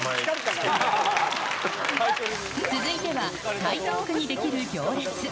続いては、台東区にできる行列。